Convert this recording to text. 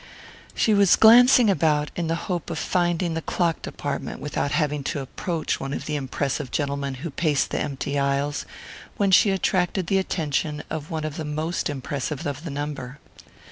She was glancing about in the hope of finding the clock department without having to approach one of the impressive gentlemen who paced the empty aisles, when she attracted the attention of one of the most impressive of the number.